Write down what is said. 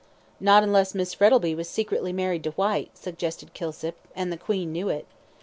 "Not unless Miss Frettlby was secretly married to Whyte," suggested Kilsip, "and the 'Queen' knew it."